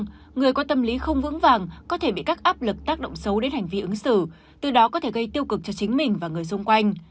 năm hai nghìn hai mươi người có tâm lý không vững vàng có thể bị các áp lực tác động xấu đến hành vi ứng xử từ đó có thể gây tiêu cực cho chính mình và người xung quanh